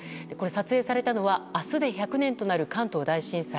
撮影されたのは、明日で１００年となる関東大震災。